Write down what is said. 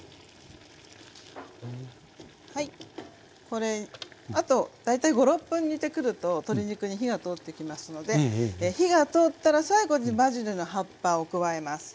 これあと大体５６分煮てくると鶏肉に火が通ってきますので火が通ったら最後にバジルの葉っぱを加えます。